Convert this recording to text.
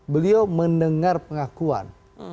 beliau mendengar pengakuan